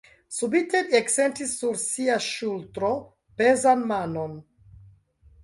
Subite li eksentis sur sia ŝultro pezan manon.